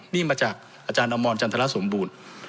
นี่มาจากอาจารย์อมรจันทรสมบูรณ์